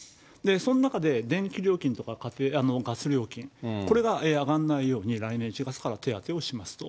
その中で電気料金とかガス料金、これが上がんないように、来年１月から手当てをしますと。